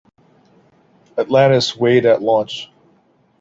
"Atlantis" weighed at launch.